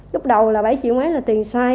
lúc đầu là bảy triệu mấy là tiền sai